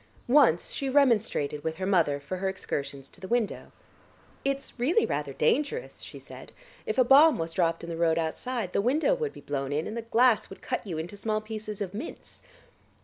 Once she remonstrated with her mother for her excursions to the window. "It's really rather dangerous," she said. "If a bomb was dropped in the road outside, the window would be blown in and the glass would cut you into small pieces of mince."